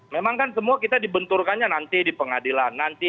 memang kan semua kita dibenturkannya nanti di pengadilan